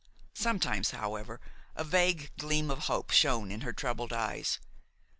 Sometimes, however, a vague gleam of hope shone in her troubled eyes.